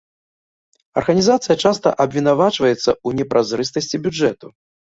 Арганізацыя часта абвінавачваецца ў непразрыстасці бюджэту.